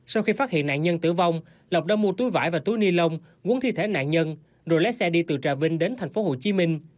sau khi phát hiện nạn nhân tử vong lọc đã mua túi vải và túi ni lông quấn thi thể nạn nhân rồi lái xe đi từ trà vinh đến tp hcm